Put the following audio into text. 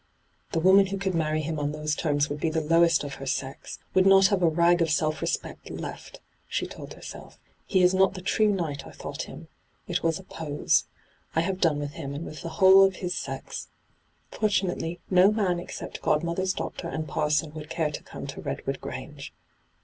' The woman who could marry him on those terms would be the lowest of her sex — would not have a rt^ of self respect left 1' she told herself. ' He is not the true knight I thought him. It was a "pose." I have done with him, and with the whole of his sex I Fortunately, no man except godmother's doctor and parson would care to come to ' Redwood Grange